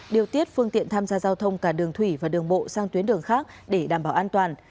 điều tiết phương tiện tham gia giao thông cả đường thủy và đường bộ sang tuyến đường khác để đảm bảo an toàn